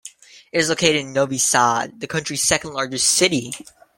It is located in Novi Sad, the country's second-largest city.